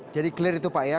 jadi clear itu pak ya